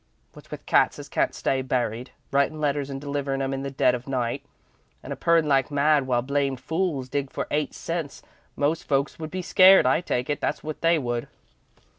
Wot with cats as can't stay buried, writin' letters and deliverin' 'em in the dead of night, and a purrin' like mad while blamed fools digs for eight cents, most folks would be scared, I take it, that's wot they would."